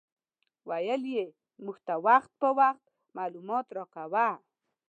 ویل یې موږ ته وخت په وخت معلومات راکاوه.